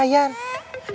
kamu yang mikirin si yayan